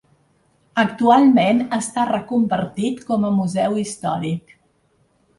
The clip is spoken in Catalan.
Actualment està reconvertit com a museu històric.